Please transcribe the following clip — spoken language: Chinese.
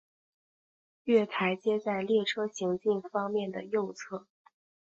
月台皆在列车行进方面的右侧。